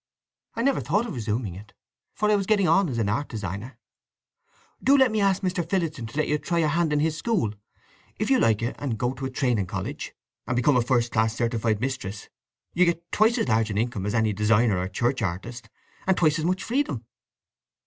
"I never thought of resuming it; for I was getting on as an art designer." "Do let me ask Mr. Phillotson to let you try your hand in his school? If you like it, and go to a training college, and become a first class certificated mistress, you get twice as large an income as any designer or church artist, and twice as much freedom."